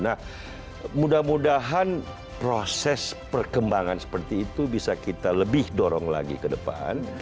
nah mudah mudahan proses perkembangan seperti itu bisa kita lebih dorong lagi ke depan